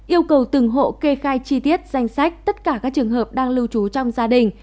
yêu cầu từng hộ kê khai chi tiết danh sách tất cả các trường hợp đang lưu trú trong gia đình